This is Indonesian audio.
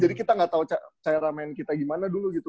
jadi kita gatau cara main kita gimana dulu gitu